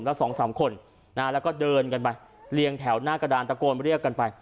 แล้วสองสามคนนะฮะแล้วก็เดินกันไปเรียงแถวหน้ากระดานตะโกนเรียกกันไป